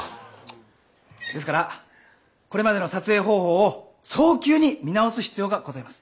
ですからこれまでの撮影方法を早急に見直す必要がございます。